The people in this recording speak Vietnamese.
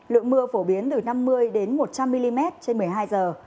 lượng mưa phổ biến từ năm mươi đến một trăm linh mm trên một mươi hai giờ